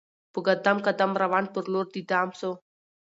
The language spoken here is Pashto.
په قدم قدم روان پر لور د دام سو